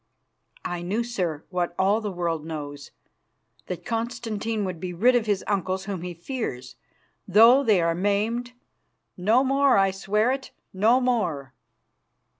"I knew, sir, what all the world knows, that Constantine would be rid of his uncles, whom he fears, though they are maimed. No more, I swear it, no more."